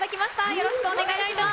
よろしくお願いします。